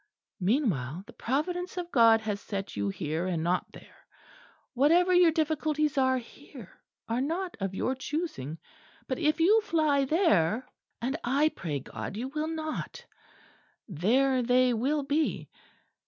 Meanwhile, the Providence of God has set you here and not there. Whatever your difficulties are here, are not of your choosing; but if you fly there (and I pray God you will not) there they will be.